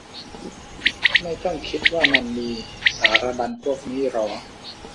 ไม่ต้องคิดว่ามันมีสารบัญพวกนี้หรอ